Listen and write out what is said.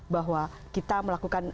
bahwa kita melakukan